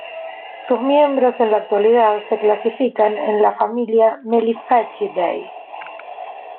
Sus miembros en la actualidad se clasifican en la familia Meliphagidae.